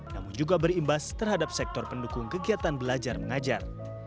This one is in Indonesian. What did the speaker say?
namun juga berimbas terhadap sektor pendukung kegiatan belajar mengajar